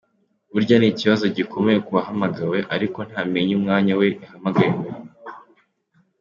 Burya ni ikibazo gikomeye ku wahamagawe ariko ntamenye umwanya we yahamagariwe.